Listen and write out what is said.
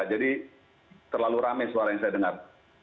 jadi terlalu rame suara yang saya dengar